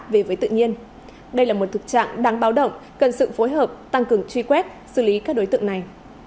về với tự nhiên đây là một thực trạng đáng báo động cần sự phối hợp tăng cường truy quét xử lý các đối tượng này